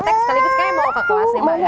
sekaligus kayaknya mau ke kelas lima aja